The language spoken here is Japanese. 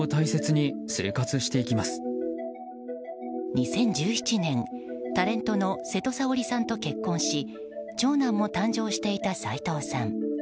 ２０１７年、タレントの瀬戸サオリさんと結婚し長男も誕生していた斉藤さん。